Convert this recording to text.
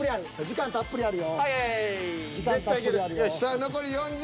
時間たっぷりある。